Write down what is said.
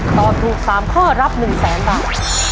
ตอบถูก๓ข้อรับ๑แสนบาท